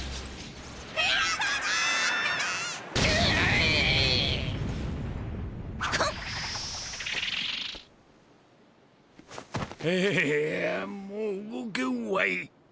いやもう動けんわい。